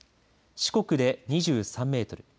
四国で２３メートル